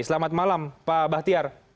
selamat malam pak bahtiar